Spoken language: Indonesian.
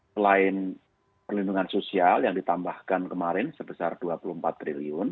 selain perlindungan sosial yang ditambahkan kemarin sebesar rp dua puluh empat triliun